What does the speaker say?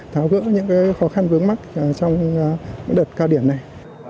tháo gỡ những khó khăn vướng mắt trong đợt cao điểm này